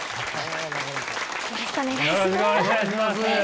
よろしくお願いします。